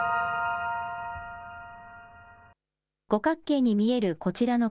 五角形に見えるこちらの柿。